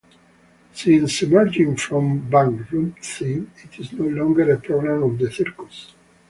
Since emerging from bankruptcy, it is no longer a program of the Circus.